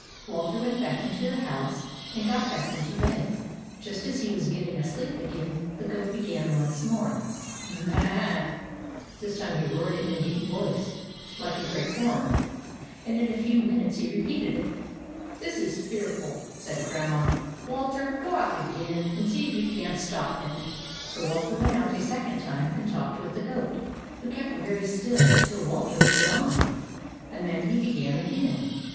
Walter went back into the house, and got back into bed. Just as he was getting asleep again, the goat began once more —" M m a a a !" This time he roared it in a deep voice WALTER AND THE GOAT 87 like a great horn ; and in a few minutes he repeated it. " This is fearful !" said Grandma. " Wal ter, go out again and see if you can't stop him." So Walter went out a second time, and talked with the goat, who kept very still till Walter was gone, and then he began again.